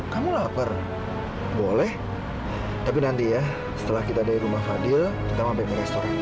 kamu lapar boleh tapi nanti ya setelah kita dari rumah fadil kita sampai ke restoran